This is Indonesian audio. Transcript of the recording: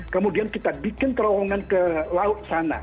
kemudian kita bikin terowongan ke laut sana